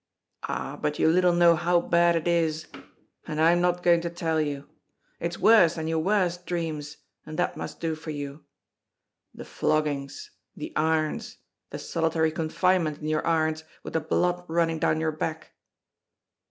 "Ah, but you little know how bad it is; and I'm not going to tell you. It's worse than your worst dreams, and that must do for you. The floggings, the irons, the solitary confinement in your irons with the blood running down your back!